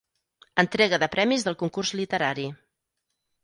Entrega de premis del Concurs Literari.